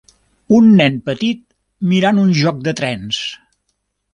Un nen petit mirant un joc de trens.